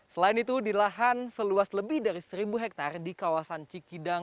selain itu di lahan seluas lebih dari seribu hektare di kawasan cikidang